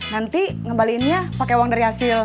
nanti ngembaliinnya pakai uang dari hasil